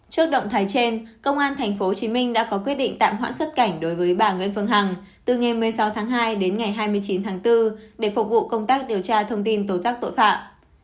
trước động thái trên công an tp hcm đã có quyết định tạm hoãn xuất cảnh đối với bà nguyễn phương hằng từ ngày một mươi sáu tháng hai đến ngày hai mươi chín tháng bốn để phục vụ công tác điều tra thông tin tố giác tội phạm